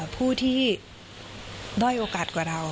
ผู้ที่ด้อยโอกาสกว่าเรา